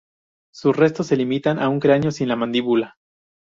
Sus restos se limitan a un cráneo sin la mandíbula.